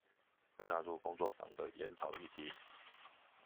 會納入工作坊的研討議題